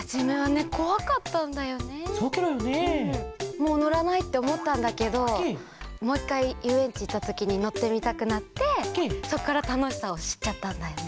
もうのらないっておもったんだけどもういっかいゆうえんちいったときにのってみたくなってそこからたのしさをしっちゃったんだよね。